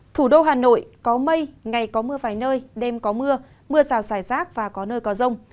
thủ đô hà nội có mây ngày có mưa vài nơi đêm có mưa mưa rào rải rác và có nơi có rông